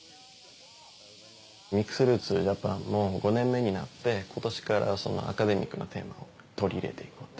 ミックスルーツ・ジャパンも５年目になって今年からアカデミックなテーマを取り入れていこうと。